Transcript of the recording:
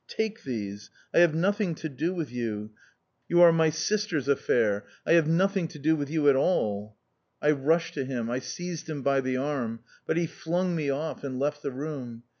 "Take these! I have nothing to do with you. You are my sister's affair, I have nothing to do with you at all!" I rushed to him. I seized him by the arm. But he flung me off and left the room.